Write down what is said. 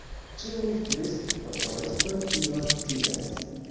Ĉiuj fisk-kontrolistoj tion scias.